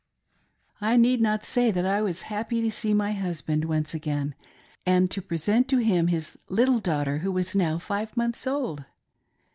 I need not say that I was happy to see my husband once again, and to present to him his little daughter who was now five months old.